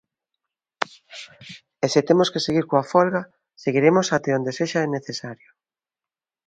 E se temos que seguir coa folga, seguiremos até onde sexa necesario.